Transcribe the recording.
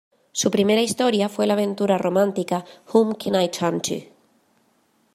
Su primera historia fue la aventura romántica "Whom Can I Turn To?